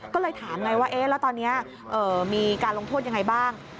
ก็เลยถามไงว่าแล้วตอนนี้มีการลงโทษยังไงบ้าง